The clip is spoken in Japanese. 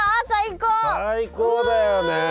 最高だよね！